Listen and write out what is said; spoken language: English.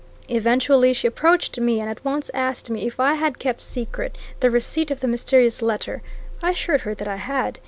Eventually she approached me, and at once asked me if I had kept secret the receipt of the mysterious letter? I assured her that I had.